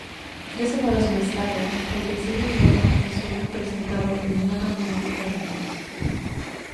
Tres semanas más tarde, el diseño nuevo estuvo presentado en una reunión diferente.